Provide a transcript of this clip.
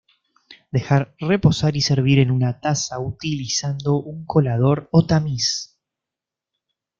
Dejar reposar y servir en una taza utilizando un colador o tamiz.